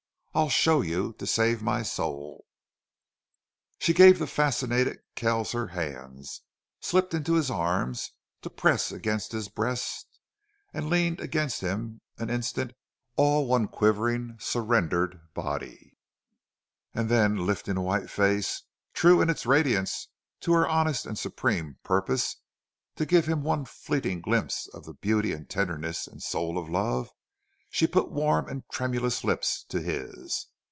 I show you to save my soul!" She gave the fascinated Kells her hands, slipped into his arms, to press against his breast, and leaned against him an instant, all one quivering, surrendered body; and then lifting a white face, true in its radiance to her honest and supreme purpose to give him one fleeting glimpse of the beauty and tenderness and soul of love, she put warm and tremulous lips to his.